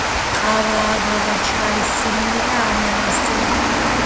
ყავა, აგავა, ჩაი, სიმინდი და ანანასი.